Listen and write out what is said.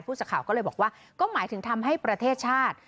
สักข่าวก็เลยบอกว่าก็หมายถึงทำให้ประเทศชาติ